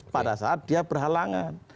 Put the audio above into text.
pada saat dia berhalangan